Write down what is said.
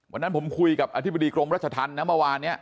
วันนั้นผมคุยกับอธิบดีกรมรัชธรรมนะเมื่อวานนี้